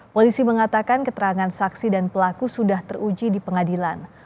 polisi mengatakan keterangan saksi dan pelaku sudah teruji di pengadilan